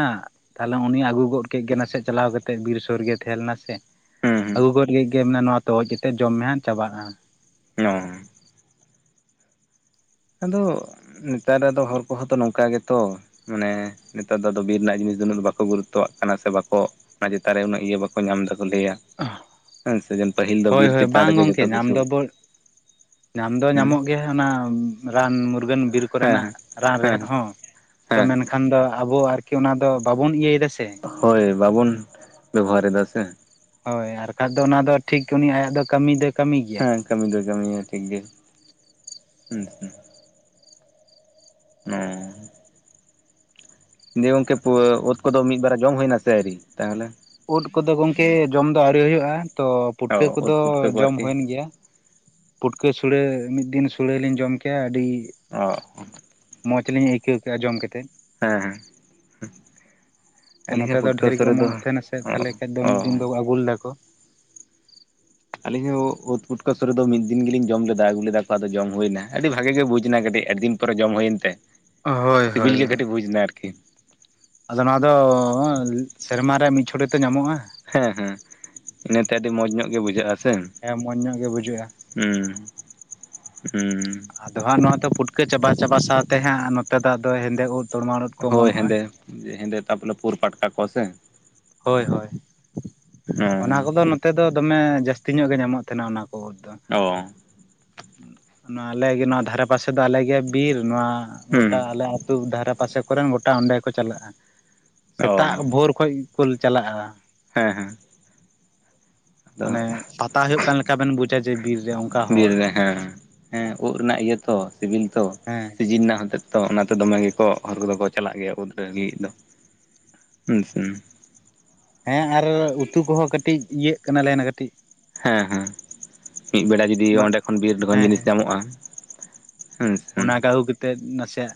ᱛᱟᱦᱚᱞᱮ ᱩᱱᱤ ᱟᱹᱜᱩ ᱜᱚᱫ ᱠᱮᱫ ᱜᱮ ᱱᱟᱥᱮ ᱪᱟᱞᱟᱣ ᱠᱟᱛᱮᱫ ᱵᱤᱨ ᱥᱩᱨ ᱜᱮᱭ ᱛᱟᱦᱮᱸ ᱞᱮᱱᱟ ᱥᱮ ᱦᱩᱸ ᱦᱩᱸ ᱟᱹᱜᱩ ᱜᱚᱫ ᱞᱟᱹᱜᱤᱫ ᱜᱮ ᱱᱚᱣᱟ ᱛᱚᱜᱚᱡ ᱠᱟᱛᱮᱫ ᱡᱚᱢ ᱢᱮᱦᱟᱜ ᱪᱟᱵᱟᱜ-ᱟ ᱱᱚ ᱟᱫᱚ ᱱᱮᱛᱟᱨ ᱨᱮᱫᱚ ᱦᱚᱲ ᱠᱚᱦᱚᱸ ᱛᱚ ᱱᱚᱝᱠᱟ ᱜᱮᱛᱚ ᱢᱟᱱᱮ ᱱᱮᱛᱟᱨ ᱫᱚ ᱟᱫᱚ ᱵᱤᱨ ᱨᱮᱱᱟᱜ ᱡᱤᱱᱤᱥ ᱫᱚ ᱩᱱᱟᱹᱜ ᱵᱟᱠᱚ ᱜᱩᱨᱩᱛᱛᱚᱣᱟᱜ ᱠᱟᱱᱟ ᱥᱮ ᱵᱟᱠᱚ ᱚᱱᱟ ᱪᱮᱛᱟᱱ ᱨᱮ ᱩᱱᱟᱹᱜ ᱤᱭᱟᱹ ᱵᱟᱠᱚ ᱧᱟᱢ ᱮᱫᱟᱠᱚ ᱞᱟᱹᱭᱟ ᱦᱮᱸ ᱥᱮ ᱡᱮᱢᱚᱱ ᱯᱟᱹᱦᱤᱞ ᱫᱚ ᱦᱳᱭ ᱵᱤᱨ ᱦᱳᱭ ᱪᱮᱛᱟᱱ ᱵᱟᱝ ᱨᱮᱜᱮ ᱜᱚᱝᱠᱮ ᱡᱚᱛᱚ ᱧᱟᱢ ᱠᱤᱪᱷᱩ ᱫᱚ ᱵᱚ ᱧᱟᱢ ᱫᱚ ᱦᱩᱸ ᱧᱟᱢᱚᱜ ᱜᱮᱭᱟ ᱚᱱᱟ ᱨᱟᱱ ᱢᱩᱨᱜᱟᱹᱱ ᱵᱤᱨ ᱦᱮᱸ ᱠᱚᱨᱮᱱᱟᱜ ᱨᱟᱱ ᱦᱮᱸ ᱨᱮᱦᱮᱫ ᱦᱚᱸ ᱛᱚ ᱦᱮᱸ ᱢᱮᱱᱠᱷᱟᱱ ᱠᱷᱟᱱ ᱫᱚ ᱟᱵᱚ ᱟᱨᱠᱤ ᱚᱱᱟ ᱫᱚ ᱵᱟᱵᱚᱱ ᱤᱭᱟᱹᱭ ᱫᱟ ᱥᱮ ᱦᱳᱭ ᱵᱟᱵᱚᱱ ᱵᱮᱵᱚᱦᱟᱨ ᱮᱫᱟ ᱥᱮ ᱦᱳᱭ ᱟᱨ ᱠᱷᱟᱡ ᱫᱚ ᱚᱱᱟ ᱫᱚ ᱴᱷᱤᱠ ᱩᱱᱤ ᱟᱭᱟᱜ ᱫᱚ ᱠᱟᱹᱢᱤ ᱫᱚᱭ ᱠᱟᱹᱢᱤ ᱜᱮᱭᱟ ᱦᱮᱸ ᱠᱟᱹᱢᱤ ᱫᱚᱭ ᱠᱟᱹᱢᱤᱭᱟ ᱴᱷᱤᱠ ᱜᱮ ᱦᱩᱸ ᱦᱩᱸ ᱫᱤᱭᱮ ᱜᱚᱝᱠᱮ ᱳᱜ ᱠᱚᱫᱚ ᱢᱤᱫ ᱵᱟᱨ ᱡᱚᱢ ᱦᱩᱭᱱᱟ ᱥᱮ ᱟᱣᱨᱤ ᱛᱟᱦᱚᱞᱮ ᱩᱫ ᱠᱚᱫᱚ ᱜᱚᱢᱠᱮ ᱡᱚᱢ ᱫᱚ ᱟᱣᱨᱤ ᱦᱩᱭᱩᱜᱼᱟ ᱛᱚ ᱯᱩᱴᱠᱟᱹ ᱚ ᱳᱫ ᱠᱚᱫᱚ ᱯᱩᱴᱠᱟᱹ ᱠᱚ ᱡᱚᱢ ᱟᱨᱠᱤ ᱦᱩᱭᱮᱱ ᱜᱮᱭᱟ ᱯᱩᱴᱠᱟᱹ ᱥᱩᱲᱟᱹ ᱢᱤᱫ ᱫᱤᱱ ᱥᱩᱲᱟᱹ ᱞᱤᱧ ᱡᱚᱢ ᱠᱮᱫᱟ ᱟᱹᱰᱤ ᱚ ᱢᱚᱡᱽ ᱞᱤᱧ ᱟᱹᱭᱠᱟᱹᱣ ᱠᱮᱫᱼᱟ ᱡᱚᱢ ᱠᱟᱛᱮᱫ ᱦᱮᱸ ᱦᱮᱸ ᱛᱚ ᱟᱹᱞᱤᱧ ᱦᱚᱸ ᱱᱚᱛᱮ ᱫᱚ ᱯᱩᱴᱠᱟᱹ ᱰᱷᱮᱨ ᱩᱛᱩ ᱜᱮ ᱨᱮᱫᱚ ᱚᱢᱚᱱᱚᱜ ᱛᱟᱦᱮᱱᱟ ᱥᱮ ᱚ ᱛᱟᱦᱚᱞᱮ ᱠᱷᱟᱡ ᱫᱚ ᱢᱤᱫ ᱫᱤᱱ ᱚ ᱫᱚ ᱟᱹᱜᱩ ᱞᱮᱫᱟᱠᱚ ᱟᱹᱞᱤᱧ ᱦᱚᱸ ᱩᱫ ᱯᱩᱴᱠᱟᱹ ᱥᱩᱨᱮ ᱫᱚ ᱢᱤᱫ ᱫᱤᱱ ᱜᱮᱞᱤᱧ ᱡᱚᱢ ᱞᱮᱫᱟ ᱟᱹᱜᱩ ᱞᱮᱫᱟ ᱠᱚ ᱟᱫᱚ ᱡᱚᱢ ᱦᱩᱭᱱᱟ ᱟᱹᱰᱤ ᱵᱷᱟᱜᱮ ᱜᱮ ᱵᱩᱡᱽ ᱮᱱᱟ ᱠᱟᱹᱴᱤᱡ ᱟᱰᱤᱫᱤᱱ ᱛᱚ ᱨᱮ ᱡᱚᱢ ᱦᱩᱭᱮᱱ ᱛᱮ ᱦᱳᱭ ᱦᱳᱭ ᱥᱤᱵᱤᱞ ᱜᱮ ᱠᱟᱹᱴᱤᱡ ᱵᱩᱡᱽ ᱮᱱᱟ ᱟᱨᱠᱤ ᱟᱫᱚ ᱱᱚᱣᱟ ᱫᱚ ᱥᱮᱨᱢᱟ ᱨᱮ ᱢᱤᱫ ᱪᱷᱚᱴ ᱜᱮᱛᱚ ᱧᱟᱢᱚᱜᱼᱟ ᱦᱮᱸ ᱦᱮᱸ ᱤᱱᱟᱹᱛᱮ ᱟᱹᱰᱤ ᱢᱚᱸᱡᱽ ᱧᱚᱜ ᱜᱮ ᱵᱩᱡᱷᱟᱹᱜᱼᱟ ᱥᱮ ᱦᱮᱸ ᱢᱚᱸᱡᱽ ᱧᱚᱜ ᱜᱮ ᱵᱩᱡᱷᱟᱹᱜᱼᱟ ᱦᱮᱸ ᱦᱮᱸ ᱟᱫᱚ ᱦᱟᱸᱜ ᱱᱚᱣᱟ ᱫᱚ ᱯᱩᱴᱠᱟᱹ ᱪᱟᱵᱟ ᱪᱟᱵᱟ ᱥᱟᱶ ᱛᱮ ᱦᱟᱸᱜ ᱱᱚᱛᱮ ᱫᱚ ᱟᱫᱚ ᱦᱮᱸᱫᱮ ᱩᱫ ᱛᱚᱨᱢᱟᱞ ᱩᱫ ᱠᱚ ᱦᱳᱭ ᱚᱢᱚᱱᱚᱜᱼᱟ ᱦᱮᱸᱫᱮ ᱦᱮᱸᱫᱮ ᱛᱟᱯᱚᱨᱮ ᱯᱩᱨ ᱯᱟᱴᱠᱟ ᱠᱚ ᱥᱮ ᱦᱳᱭ ᱦᱳᱭ ᱚᱱᱟ ᱦᱩᱸ ᱠᱚᱫᱚ ᱱᱚᱛ ᱱᱚᱛᱮᱫ ᱫᱚᱢᱮ ᱡᱟᱹᱥᱛᱤ ᱧᱚᱜ ᱜᱮ ᱧᱟᱢᱚᱜ ᱛᱟᱦᱮᱱᱟ ᱚᱱᱟ ᱠᱚ ᱫᱚ ᱳᱫ ᱫᱚ ᱚ ᱦᱩᱸ ᱱᱚᱣᱟ ᱟᱞᱮᱜᱮ ᱱᱚᱣᱟ ᱫᱷᱟᱨᱮ ᱯᱟᱥᱮ ᱫᱚ ᱟᱞᱮᱜᱮ ᱵᱤᱨ ᱱᱚᱣᱟ ᱦᱩᱸ ᱜᱚᱴᱟ ᱟᱞᱮ ᱟᱹᱛᱩ ᱫᱷᱟᱨᱮ ᱯᱟᱥᱮ ᱟᱠᱚᱨᱮᱱ ᱜᱚᱴᱟ ᱚᱸᱰᱮ ᱠᱚ ᱪᱟᱞᱟᱜᱼᱟ ᱚ ᱥᱮᱛᱟᱜ ᱵᱷᱳᱨ ᱠᱷᱚᱡ ᱠᱚ ᱪᱟᱞᱟᱜᱼᱟ ᱦᱮᱸ ᱦᱮᱸ ᱟᱫᱚ ᱢᱟᱱᱮ ᱯᱟᱛᱟ ᱦᱩᱭᱩᱜ ᱠᱟᱱ ᱞᱮᱠᱟ ᱵᱮᱱ ᱵᱩᱡᱟ ᱡᱮ ᱵᱤᱨ ᱨᱮ ᱚᱱᱠᱟ ᱦᱚᱲ ᱵᱤᱨ ᱨᱮ ᱦᱮᱸ ᱦᱮᱸ ᱩᱫ ᱨᱮᱱᱟᱜ ᱤᱭᱟᱹ ᱛᱚ ᱥᱤᱵᱤᱞ ᱛᱚ ᱦᱮᱸ ᱥᱤᱡᱤᱱ ᱨᱮᱱᱟᱜ ᱦᱚᱛᱮᱫ ᱛᱚ ᱚᱱᱟᱛᱮ ᱫᱚᱢᱮ ᱜᱮᱠᱚ ᱦᱚᱲᱚᱨ ᱠᱚᱫᱚ ᱠᱚ ᱪᱟᱞᱟᱜ ᱜᱮᱭᱟ ᱩᱱᱟᱹ ᱞᱟᱹᱜᱤᱫ ᱫᱚ ᱟᱪᱪᱷᱟ ᱦᱮᱸ ᱟᱨ ᱩᱛᱩ ᱠᱚᱦᱚᱸ ᱠᱟᱹᱴᱤᱡ ᱤᱭᱟᱹᱜ ᱠᱟᱱᱟᱞᱮᱱᱟ ᱠᱟᱹᱴᱤᱡ ᱦᱮᱸ ᱦᱮᱸ ᱢᱤᱫ ᱵᱮᱲᱟ ᱡᱩᱫᱤ ᱵᱟ ᱚᱸᱰᱮ ᱠᱷᱚᱱ ᱵᱤᱨ ᱡᱚᱠᱷᱚᱱ ᱦᱮᱸ ᱡᱤᱱᱤᱥ ᱧᱟᱢᱚᱜᱼᱟ ᱦᱮᱸᱥᱮ ᱚᱱᱟ ᱠᱚ ᱟᱹᱜᱩ ᱠᱟᱛᱮᱫ ᱱᱟᱥᱮᱭᱟᱜ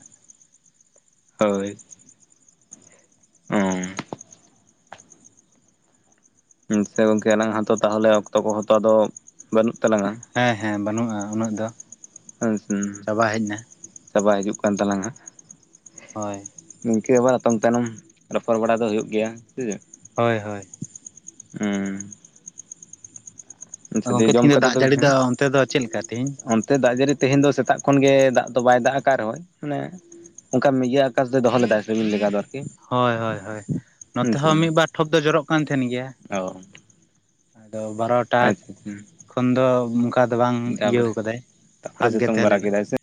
ᱦᱳᱭ ᱚ ᱦᱮᱸ ᱥᱮ ᱜᱚᱝᱠᱮ ᱟᱞᱟᱝ ᱦᱟᱛᱚ ᱛᱟᱦᱚᱞᱮ ᱚᱠᱛᱚ ᱠᱚᱦᱚᱸᱛᱚ ᱟᱫᱚ ᱵᱟᱹᱱᱩᱜ ᱛᱟᱞᱟᱝᱟ ᱦᱮᱸ ᱦᱮᱸ ᱵᱟᱹᱱᱩᱜᱼᱟ ᱩᱱᱟᱹᱜ ᱫᱚ ᱦᱮᱸ ᱥᱮ ᱪᱟᱵᱟ ᱦᱮᱡ ᱮᱱᱟ ᱪᱟᱵᱟ ᱦᱤᱡᱩᱜ ᱠᱟᱱ ᱛᱟᱞᱟᱝ-ᱟ ᱦᱚᱭ ᱱᱤᱝᱠᱟᱹ ᱟᱵᱟᱨ ᱚᱛᱚᱢ ᱛᱟᱭᱱᱚᱢ ᱨᱚᱯᱚᱲ ᱵᱟᱲᱟ ᱫᱚ ᱦᱩᱭᱩᱜ ᱜᱮᱭᱟ ᱦᱮᱸ ᱥᱮ ᱪᱮᱫ ᱦᱳᱭ ᱦᱳᱭ ᱦᱮᱸ ᱟᱪᱪᱷᱟ ᱫᱤᱭᱮ ᱜᱚᱝᱠᱮ ᱡᱚᱢ ᱛᱮᱦᱤᱧ ᱠᱟᱛᱮᱜ ᱫᱟᱜ ᱫᱚ ᱡᱟᱹᱲᱤ ᱚᱱᱛᱮ ᱫᱚ ᱪᱮᱫ ᱞᱮᱠᱟ ᱛᱮᱦᱤᱧ ᱦᱮᱸ ᱛᱮ ᱫᱟᱜ ᱡᱟᱹᱲᱤ ᱛᱮᱦᱮᱧ ᱫᱚ ᱥᱮᱛᱟᱜ ᱠᱷᱚᱱ ᱜᱮ ᱫᱟᱜ ᱫᱚ ᱵᱟᱭ ᱫᱟᱜᱟᱜ ᱨᱮᱦᱚᱸ ᱢᱟᱱᱮ ᱚᱱᱠᱟ ᱢᱤᱭᱟᱹ ᱟᱠᱟᱥ ᱫᱚᱭ ᱫᱚᱦᱚ ᱞᱮᱫᱟᱭ ᱨᱤᱢᱤᱞ ᱞᱮᱠᱟ ᱫᱚ ᱟᱨᱠᱤ ᱦᱳᱭ ᱦᱳᱭ ᱦᱳᱭ ᱦᱮᱸ ᱱᱚᱛᱮ ᱥᱮ ᱦᱚᱸ ᱢᱤᱫ ᱵᱟᱨ ᱴᱷᱚᱯ ᱫᱚ ᱡᱚᱨᱚᱜ ᱠᱟᱱ ᱛᱟᱦᱮᱸᱱ ᱜᱮᱭᱟ ᱚ ᱟᱫᱚ ᱵᱷᱟᱨᱚᱛ ᱟᱪᱪᱷᱟ ᱟᱪᱪᱷᱟ ᱠᱷᱚᱱ ᱫᱚ ᱚᱱᱠᱟ ᱫᱚ ᱵᱟᱝ ᱤᱭᱟᱹ ᱛᱟᱯᱚᱨᱮ ᱠᱟᱫᱟᱭ ᱛᱟᱯᱚᱨᱮ ᱵᱷᱟᱜ ᱜᱮ ᱥᱤᱛᱩᱝ ᱛᱟᱦᱮᱸ ᱵᱟᱲᱟ ᱞᱮᱱᱟ ᱠᱮᱫᱟᱭ ᱥᱮ